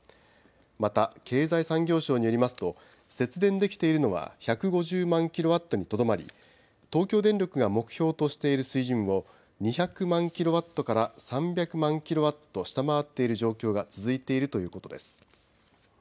また、経済産業省によりますと、節電できているのは１５０万キロワットにとどまり、東京電力が目標としている水準を、２００万キロワットから３００万キロワット下回っている状況が続いているということです。